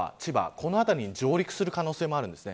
この辺りに上陸する可能性もあります。